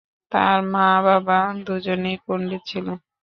তার মা-বাবা দুজনই পণ্ডিত ছিলেন।